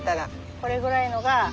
これぐらいのが。